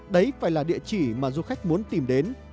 đấy phải là địa chỉ mà du khách muốn tìm đến